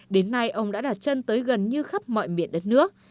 đến nay ông đã đặt chân tới gần như khắp mọi miền đất nước